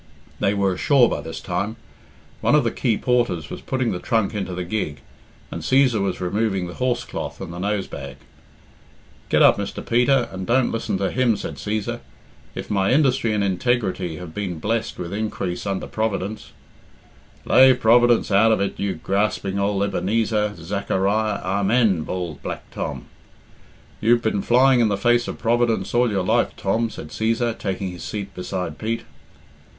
They were ashore by this time; one of the quay porters was putting the trunk into the gig, and Cæsar was removing the horse cloth and the nose bag. "Get up, Mr. Peter, and don't listen to him," said Cæsar. "If my industry and integrity have been blessed with increase under Providence " "Lave Providence out of it, you grasping ould Ebenezer, Zachariah, Amen," bawled Black Tom. "You've been flying in the face of Providence all your life, Tom," said Cæsar, taking his seat beside Pete.